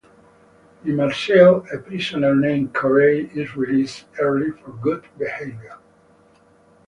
In Marseille, a prisoner named Corey is released early for good behaviour.